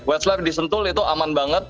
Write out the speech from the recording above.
westlife di sentul itu aman banget